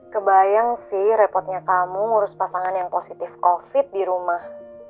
kebayang sih repotnya kamu ngurus pasangan yang positif covid di rumah